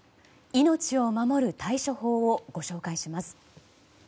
命を守る対処法をご紹介します。